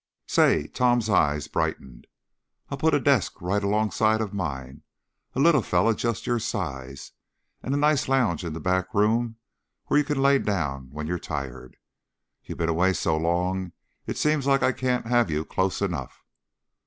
"Say " Tom's eyes brightened. "I'll put a desk right alongside of mine a little feller, just your size and a nice lounge in the back room, where you can lay down when you're tired. You been away so long it seems like I can't have you close enough."